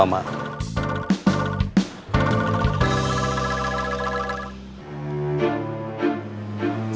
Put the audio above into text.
gak ada perangka